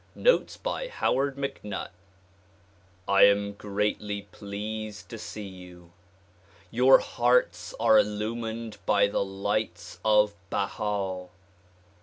Notes by Howard MacNutt AM greatly pleased to see you. Your hearts are illumined by the lights of Baha.